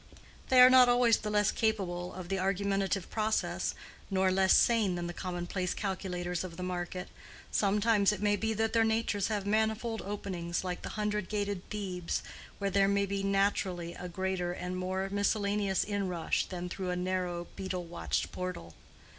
They are not always the less capable of the argumentative process, nor less sane than the commonplace calculators of the market: sometimes it may be that their natures have manifold openings, like the hundred gated Thebes, where there may naturally be a greater and more miscellaneous inrush than through a narrow beadle watched portal.